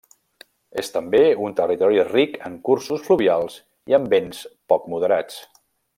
És també un territori ric en cursos fluvials i amb vents poc moderats.